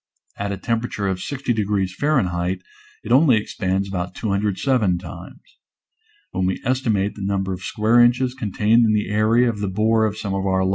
At a temperature of 60 degrees Fahrenheit it only expands about 207 times. When we esti mate the number of square inches contained in the area of the bore of some of our large , i